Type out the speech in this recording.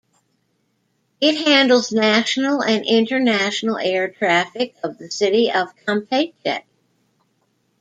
It handles national and international air traffic of the city of Campeche.